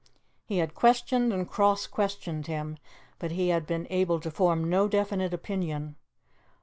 He had questioned and cross questioned him, but he had been able to form no definite opinion.